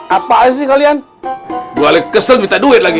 apa sih kalian gue kesel minta duit lagi